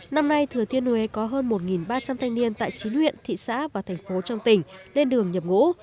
năm nay thừa thiên huế có hơn một ba trăm linh thanh niên tại chín huyện thị xã và thành phố trong tỉnh lên đường nhập ngũ